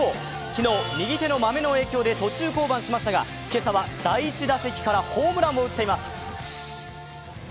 昨日、右手の豆の影響で途中降板しましたが今朝は第１打席からホームランを打っています。